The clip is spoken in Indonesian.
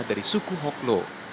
dari suku hoklo